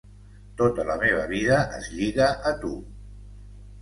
Tota la meva vida es lliga a tu.